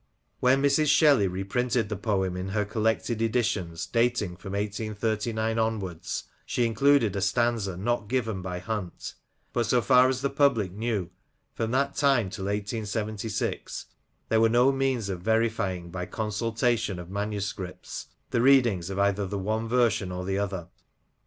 When Mrs. Shelley reprinted the poem in her collected editions, dating from 1839 onwards, she included a stanza not given by Hunt ; but, so far as the public knew, from that time till 1876, there were no means of verifying by consultation of manu scripts the readings of either the one version or the other.